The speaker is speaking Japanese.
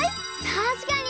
たしかに！